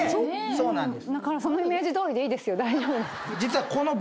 そうなんです。